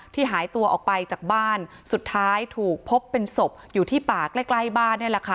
หายตัวออกไปจากบ้านสุดท้ายถูกพบเป็นศพอยู่ที่ป่าใกล้ใกล้บ้านนี่แหละค่ะ